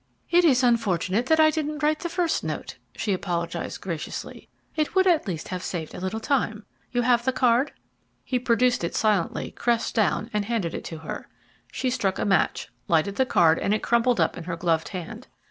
"It is unfortunate that I didn't write the first note," she apologized graciously. "It would at least have saved a little time. You have the card?" He produced it silently, crest down, and handed it to her. She struck a match, lighted the card, and it crumbled up in her gloved hand.